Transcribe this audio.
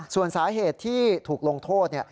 ส่วนสาเหตุที่ถูกลงโทษ